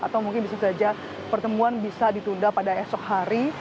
atau mungkin disitu saja pertemuan bisa ditunda pada esok hari